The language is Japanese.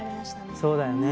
そうだよね。